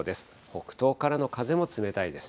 北東からの風も冷たいです。